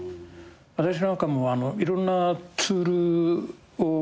私なんかもいろんなツールを。